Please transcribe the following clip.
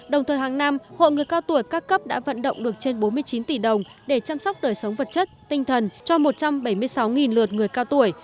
đồng thời hàng năm hội người cao tuổi các cấp đã vận động được trên bốn mươi chín tỷ đồng để chăm sóc đời sống vật chất tinh thần cho một trăm bảy mươi sáu lượt người cao tuổi